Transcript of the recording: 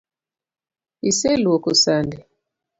Iseluoko sande?